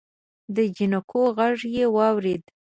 د جانکو غږ يې واورېد.